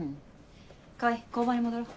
川合交番に戻ろう。